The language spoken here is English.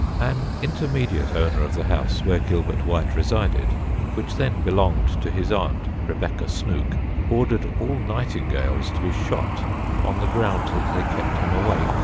An intermediate owner of the house where Gilbert White resided, which then belonged to his aunt Rebecca Snooke, ordered all nightingales to be shot, on the ground that they kept him awake.